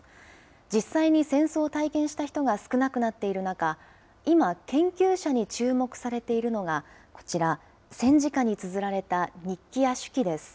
実際に戦争を体験した人が少なくなっている中、今、研究者に注目されているのが、こちら、戦時下につづられた日記や手記です。